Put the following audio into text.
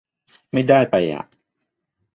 ไม่ได้ไปอ๊ะ